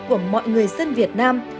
của mọi người dân việt nam